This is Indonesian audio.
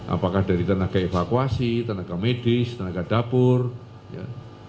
apakah dari tenaga evakuasi tenaga medis tenaga dapur ya